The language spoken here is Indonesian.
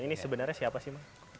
ini sebenarnya siapa sih